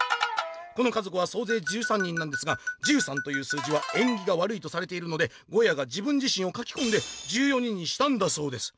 この家族はそうぜい１３人なんですが１３という数字は縁起が悪いとされているのでゴヤが自分自しんを描きこんで１４人にしたんだそうです」。